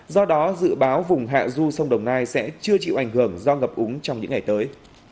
do đó dự báo vùng hạ du sông đồng nai sẽ chưa chịu ảnh hưởng do ngập úng trong những ngày tới